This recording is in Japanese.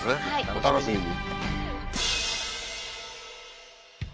お楽しみに！